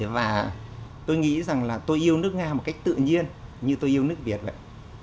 và tôi nghĩ rằng là tôi yêu nước nga một cách tự nhiên như tôi yêu nước việt vậy